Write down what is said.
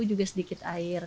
juga sedikit air